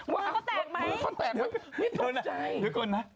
มือก็แตกไหมไม่ตกใจเดี๋ยวก่อนนะ